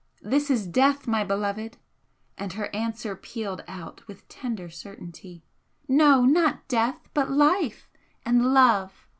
"This is death, my beloved!" he said. And her answer pealed out with tender certainty. "No! not death, but life! and love!"